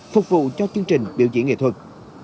phục vụ cho chương trình biểu diễn nghệ thuật